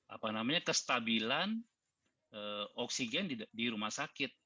apa namanya kestabilan oksigen di rumah sakit